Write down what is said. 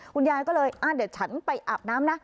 คุณยายก็เลยเดี๋ยวฉันไปอาบน้ำนะ